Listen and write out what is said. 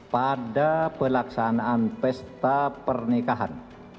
pada pelaksanaan pesta pernikahan